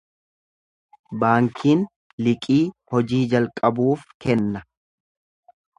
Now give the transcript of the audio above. Baankiin liqii hojii jalqabuuf kenna.